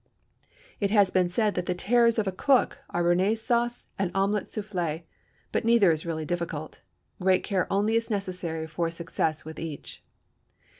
It has been said that the terrors of a cook are Béarnaise sauce and omelette soufflée, but neither is really difficult; great care only is necessary for success with each.